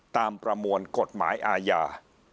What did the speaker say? ประมวลกฎหมายอาญา